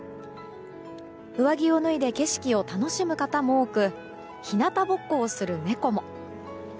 上着を脱いで景色を楽しむ方も多く日向ぼっこをする猫も。